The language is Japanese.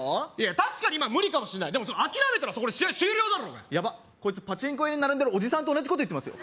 確かに今は無理かもしれないでも諦めたらそこで試合終了だろヤバッこいつパチンコ屋に並んでるおじさんと同じこと言ってますよ